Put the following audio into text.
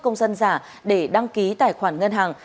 công dân giả để đăng ký tài khoản ngân hàng